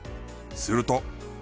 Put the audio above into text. すると。